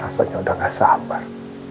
rasanya udah gak sabar